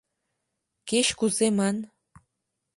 — Кеч-кузе ман.